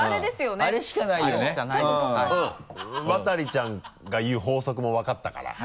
渡ちゃんが言う法則も分かったから。